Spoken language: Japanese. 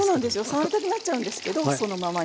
触りたくなっちゃうんですけどそのままに。